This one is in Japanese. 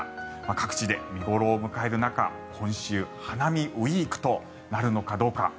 各地で見頃を迎える中今週、花見ウィークとなるのかどうか。